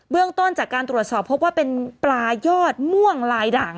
เรื่องต้นจากการตรวจสอบพบว่าเป็นปลายอดม่วงลายด่าง